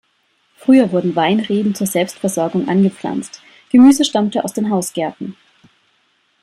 Früher wurden Weinreben zur Selbstversorgung angepflanzt; Gemüse stammte aus den Hausgärten.